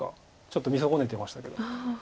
ちょっと見損ねてましたけど。